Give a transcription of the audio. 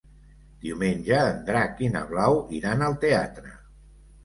Diumenge en Drac i na Blau iran al teatre.